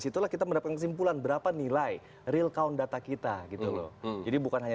situlah kita mendapatkan kesimpulan berapa nilai real count data kita gitu loh jadi bukan hanya